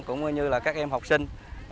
cũng như các em học sinh